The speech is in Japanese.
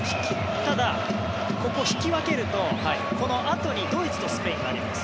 ただ、ここ、引き分けるとこのあとにドイツとスペインがあります。